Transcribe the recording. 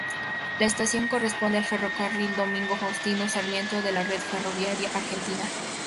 La estación corresponde al Ferrocarril Domingo Faustino Sarmiento de la red ferroviaria argentina.